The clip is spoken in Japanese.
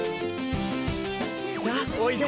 さあおいで。